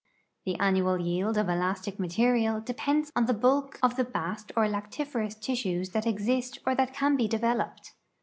The annual yield of elastic material depends on the bulk of the bast or lactiferous tissues that exist or that can be developed.